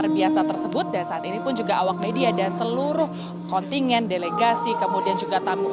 bisa diceritakan kepada kami